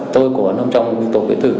tôi cũng có nằm trong tổ quyết tử